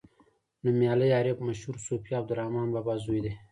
نومیالی عارف مشهور صوفي عبدالرحمان بابا زوی دی.